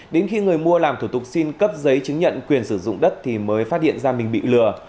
đến khi người mua làm thủ tục xin cấp giấy chứng nhận quyền sử dụng đất thì mới phát hiện ra mình bị lừa